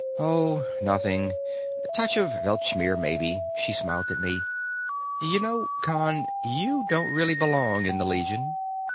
"Oh, nothing. Touch of Weltschmerz, maybe." She smiled at me. "You know, Con, you don't really belong in the Legion."